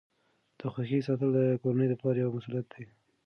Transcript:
د خوښۍ ساتل د کورنۍ د پلار یوه مسؤلیت ده.